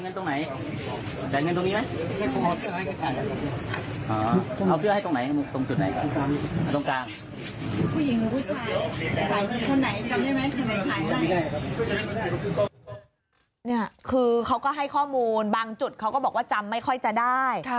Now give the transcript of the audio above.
เนี่ยคือเขาก็ให้ข้อมูลบางจุดเขาก็บอกว่าจำไม่ค่อยจะได้